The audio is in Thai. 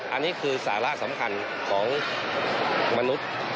อันนี้คือสาระสำคัญของมนุษย์